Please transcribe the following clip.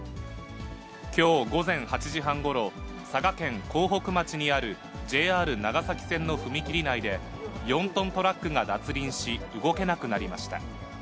きょう午前８時半ごろ、佐賀県江北町にあるＪＲ長崎線の踏切内で、４トントラックが脱輪し、動けなくなりました。